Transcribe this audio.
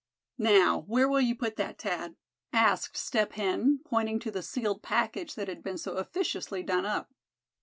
"Now, where will you put that, Thad?" asked Step Hen, pointing to the sealed package that had been so officiously done up.